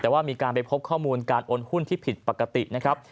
แต่ว่าจะพบข้อมูลการโอนหุ้นผิดปกตินะครับ